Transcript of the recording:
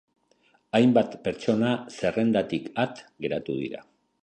Hainbat pertsona zerrendatik at geratuko dira.